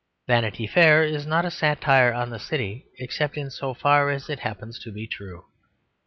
Vanity Fair is not a satire on the City except in so far as it happens to be true.